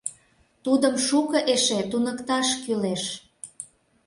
Тудым шуко эше туныкташ кӱлеш.